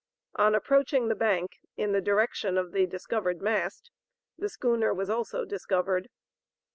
On approaching the bank, in the direction of the discovered mast, the schooner was also discovered.